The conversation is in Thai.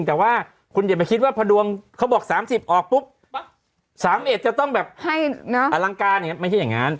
แต่ว่าคุณอย่าไปคิดว่าพอดวงเขาบอก๓๐นาทีออกปุ๊บสามเอ็ดจะต้องอลังการไม่ใช่อย่างนั้น